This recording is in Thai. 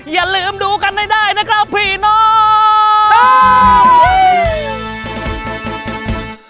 อย่าลืมดูกันได้ได้นะคะผีน้ำ